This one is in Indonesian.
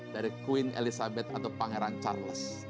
dari queen elizabeth atau pangeran charles